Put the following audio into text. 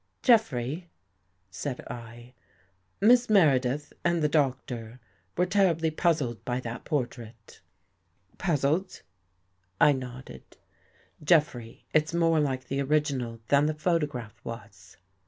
" Jeffrey," said I, " Miss Meredith and the Doc tor were terribly puzzled by that portrait." , "Puzzled?" I nodded. " Jeffrey, it's more like the original than the photograph was."